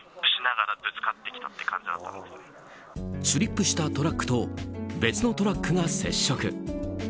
スリップしたトラックと別のトラックが接触。